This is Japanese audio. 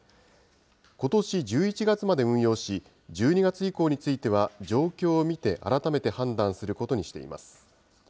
ことし１１月まで運用し、１２月以降については、状況を見て、改めて判断することにしています。